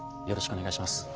よろしくお願いします。